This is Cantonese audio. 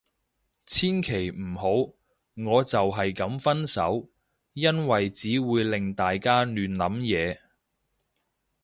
千祈唔好，我就係噉分手。因為只會令大家亂諗嘢